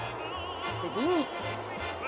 次に。